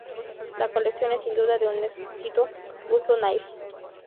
La colección es, sin duda, de un exquisito gusto naïf.